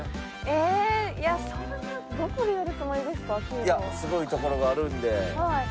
いやすごい所があるんで。